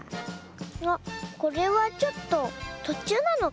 あっこれはちょっととちゅうなのかな？